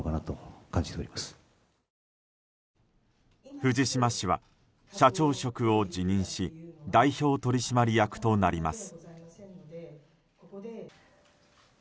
藤島氏は社長職を辞任し代表取締役となります。